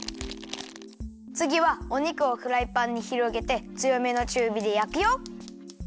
つぎはお肉をフライパンにひろげてつよめのちゅうびでやくよ。